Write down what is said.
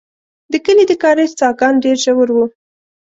د کلي د کاریز څاګان ډېر ژور وو.